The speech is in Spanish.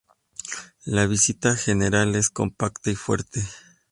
La vista general es compacta y fuerte.